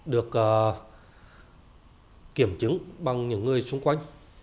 được kiểm chứng bằng những người xung quanh